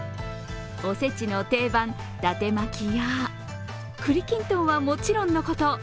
お節の定番、伊達巻きや栗きんとんはもちろんのこと